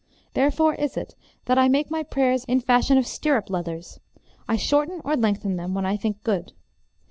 Therefore is it that I make my prayers in fashion of stirrup leathers; I shorten or lengthen them when I think good.